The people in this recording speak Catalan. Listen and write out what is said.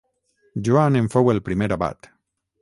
Joan en fou el primer abat.